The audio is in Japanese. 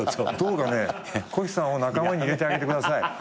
どうかねコヒさんを仲間に入れてあげてください。